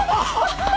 ハハハハ。